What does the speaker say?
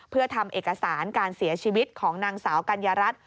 เพื่อทำเอกสารการเสียชีวิตของนางสาวกัญญารัฐ